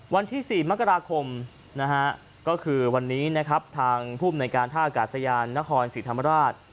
วันที่๔มกราคมนะฮะก็คือวันนี้นะครับทางภูมิในการท่าอากาศยานนครศรีธรรมราช